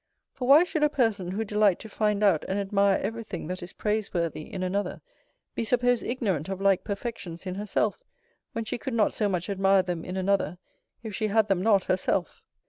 For why should a person who delight to find out and admire every thing that is praise worthy in another, be supposed ignorant of like perfections in herself, when she could not so much admire them in another, if she had them not herself?